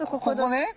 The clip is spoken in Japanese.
ここね？